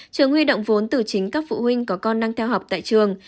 trường huy động vốn từ chính các phụ huynh có con đang theo học tại trường